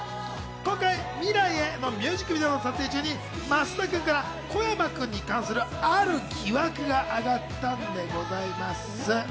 今回『未来へ』のミュージックビデオの撮影中に増田君から小山君に関するある疑惑があがったんでございます。